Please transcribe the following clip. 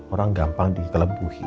orang gampang dikelebuhi